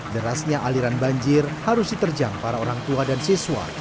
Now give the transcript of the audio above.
derasnya aliran banjir harus diterjang para orang tua dan siswa